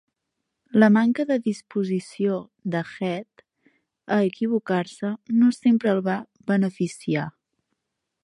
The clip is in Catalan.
La manca de disposició de Head a equivocar-se no sempre el va beneficiar.